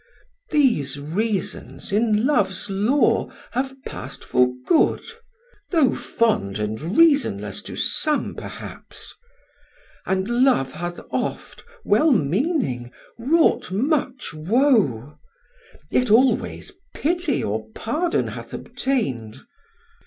810 These reasons in Loves law have past for good, Though fond and reasonless to some perhaps: And Love hath oft, well meaning, wrought much wo, Yet always pity or pardon hath obtain'd.